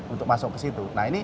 untuk masuk ke situ